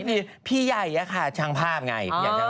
มีพี่ใหญ่อะค่ะช่างภาพไง